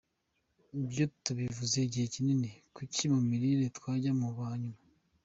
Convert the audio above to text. Ibyo tubivuze igihe kinini, kuki mu mirire twajya mu ba nyuma?